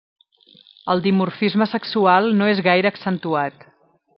El dimorfisme sexual no és gaire accentuat.